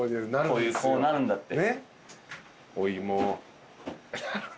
こうなるんだって。